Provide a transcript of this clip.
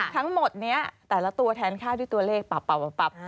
ทั้งหมดนี้แต่ละตัวแทนค่าด้วยตัวเลขปรับ